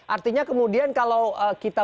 artinya kemudian kalau kita